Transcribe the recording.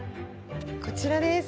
こちらです。